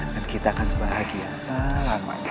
dan kita akan bahagia selama lamanya